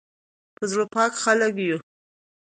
په زړه پاک خلک یو